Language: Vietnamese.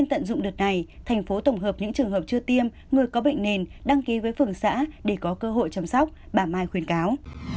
người có bệnh nền đăng ký với phường xã để có cơ hội chăm sóc bà mai khuyên cáo